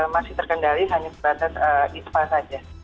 masih terkendali hanya sebatas ispa saja